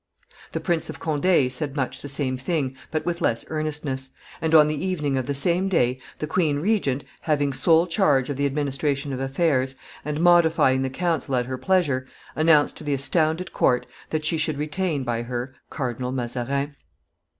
The Prince of Condo said much the same thing, but with less earnestness, and on the evening of the same day the queen regent, having sole charge of the administration of affairs, and modifying the council at her pleasure, announced to the astounded court that she should retain by her Cardinal Mazarin.